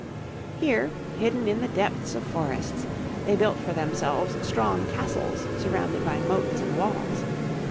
Here, hidden in the depths of forests, they built for themselves strong castles surrounded by moats and walls.